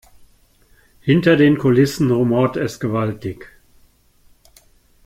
Hinter den Kulissen rumort es gewaltig.